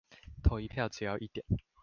投一票只要一點